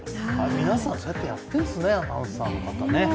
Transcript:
皆さんそうやって、やっているんですね、アナウンサーの方。